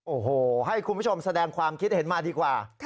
โอ้โหให้คุณผู้ชมแสดงความคิดเห็นมาดีกว่า